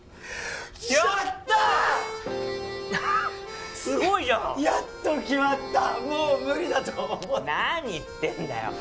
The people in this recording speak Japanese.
やったーッすごいじゃんやっと決まったもう無理だと思った何言ってんだよ